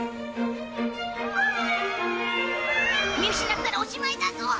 見失ったらおしまいだぞ！